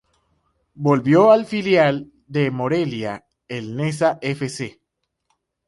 Volvió al filial del Morelia el Neza Fc.